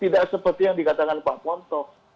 tidak seperti yang dikatakan pak ponto